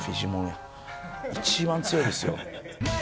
一番強いですよ。